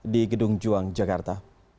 di gedung juang jakarta